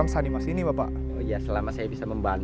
bu hanya tanah di bagian sini yang bisa saya hibakan